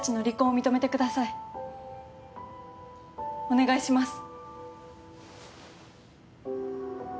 お願いします。